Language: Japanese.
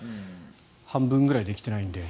半分ぐらいできていないので。